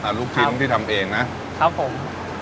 ลูกชิ้นที่ทำเองนะครับผม